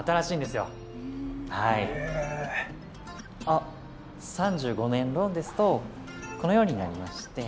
あっ３５年ローンですとこのようになりまして。